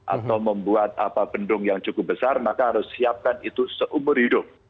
atau membuat bendung yang cukup besar maka harus siapkan itu seumur hidup